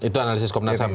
itu analisis komnas ham ya